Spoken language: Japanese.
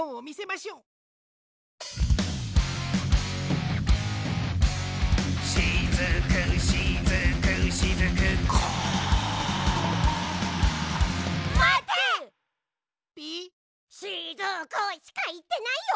「しずく」しかいってないよ？